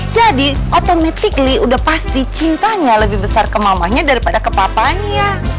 jadi otometik li udah pasti cintanya lebih besar ke mamahnya daripada ke papahnya